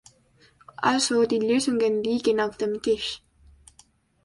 Also, die Lösungen liegen auf dem Tisch.